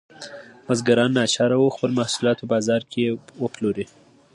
بزګران ناچاره وو خپل محصولات په بازار کې وپلوري.